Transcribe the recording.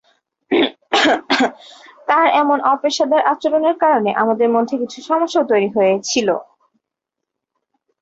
তার এমন অপেশাদার আচরণের কারণে আমাদের মধ্যে কিছু সমস্যাও তৈরি হয়েছিল।